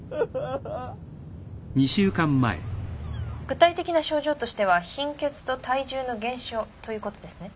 具体的な症状としては貧血と体重の減少ということですね。